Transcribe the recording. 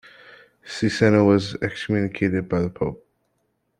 Cesena was excommunicated by the Pope.